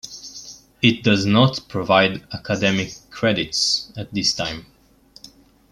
It does not provide academic credits at this time.